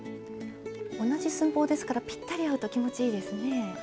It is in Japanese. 同じ寸法ですからぴったり合うと気持ちいいですね。